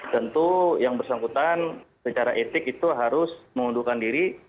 tentu yang bersangkutan secara etik itu harus mengundurkan diri